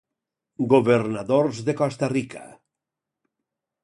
Governadors de Costa Rica